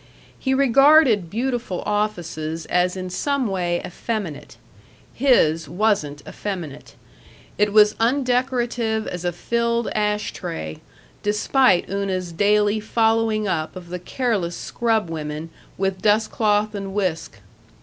He regarded beautiful offices as in some way effeminate.... His wasn't effeminate; it was undecorative as a filled ash tray, despite Una's daily following up of the careless scrubwomen with dust cloth and whisk.